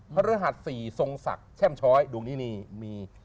พระฤหัส๔ทรงศักดิ์แช่มช้อยดวงนี้นี่มี